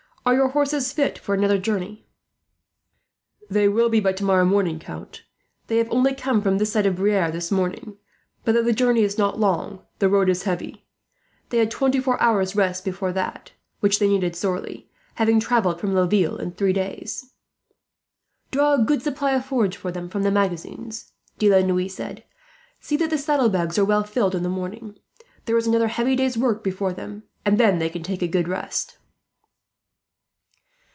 Are your horses fit for another journey?" "They will be by tomorrow morning, Count. They have only come from this side of Briare this morning, but though the journey is not long the road is heavy. They had twenty four hours' rest before that, which they needed sorely, having travelled from Laville in three days." "Draw a good supply of forage for them from the magazines," De la Noue said. "See that the saddlebags are well filled in the morning. There is another heavy day's work before them, and then they can take a good rest."